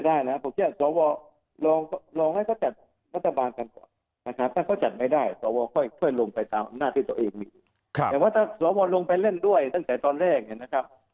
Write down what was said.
แต่ว่าถ้าสววรลงไปเล่นด้วยตั้งแต่ตอนแรกนะครับผมว่ายากนะครับ